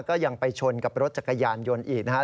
ก็ยังไปชนกับรถจักรยานยนต์อีกนะครับ